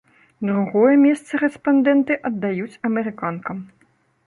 Другое месца рэспандэнты аддаюць амерыканкам.